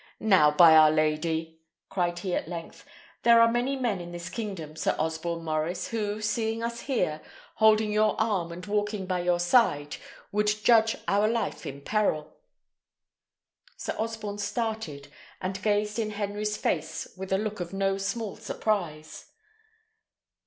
"Now, by our Lady!" cried he at length, "there are many men in this kingdom, Sir Osborne Maurice, who, seeing us here, holding your arm and walking by your side, would judge our life in peril." Sir Osborne started, and gazed in Henry's face with a look of no small surprise.